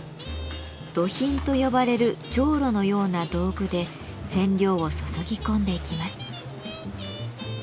「どひん」と呼ばれるじょうろのような道具で染料を注ぎ込んでいきます。